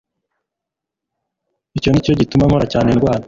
icyo ni cyo gituma nkora cyane ndwana